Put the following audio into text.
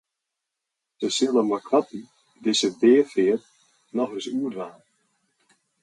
Sy sille meikoarten dizze beafeart nochris oerdwaan.